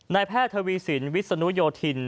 แพทย์ทวีสินวิศนุโยธิน